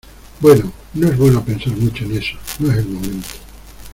bueno, no es bueno pensar mucho en eso , no es el momento.